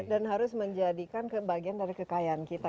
dan harus menjadikan kebagian dari kekayaan kita